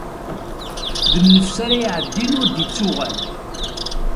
D nnefs ara iɛeddin ur d-ittuɣal.